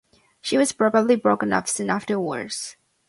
She was probably broken up soon afterwards.